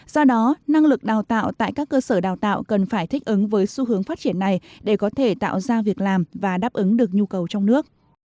do đó năng lực đào tạo tại các cơ sở đào tạo cần phải thích ứng với xu hướng phát triển này để có thể tạo ra việc làm và đáp ứng được nhu cầu trong nước